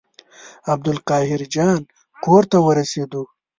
عبدالقاهر جان کور ته ورسېدو.